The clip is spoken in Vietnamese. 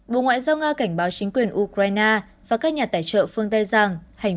bộ ngoại giao nga cảnh báo chính quyền ukraine và các nhà tài trợ phương tây rằng hành